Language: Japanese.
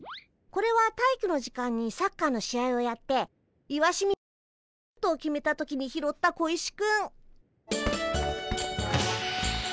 これは体育の時間にサッカーの試合をやって石清水くんがシュートを決めた時に拾った小石くん。